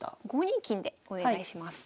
５二金でお願いします。